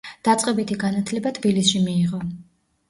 დაწყებითი განათლება თბილისში მიიღო.